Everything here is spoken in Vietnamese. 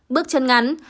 bước chân ngắn